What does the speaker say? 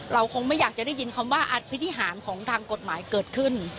เราคงไม่อยากจะได้ยินคำว่าอภินิหารของทางกฎหมายเกิดขึ้น